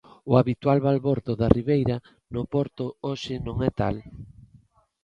O habitual balbordo da ribeira no Porto hoxe non é tal.